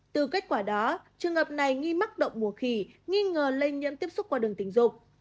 từ kết quả đó trường hợp này nghi mắc động mùa khỉ nghi ngờ lây nhiễm tiếp xúc qua đường tình dục